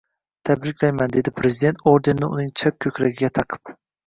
Tabriklayman dedi prezident ordenni uning chap ko‘kragiga taqib.